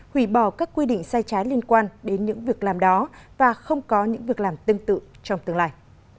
hủy bỏ các quy định sai trái liên quan đến những việc làm đó và không có những việc làm tương tự trong tương lai